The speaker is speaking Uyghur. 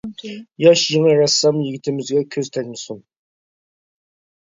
ياش يېڭى رەسسام يىگىتىمىزگە كۆز تەگمىسۇن!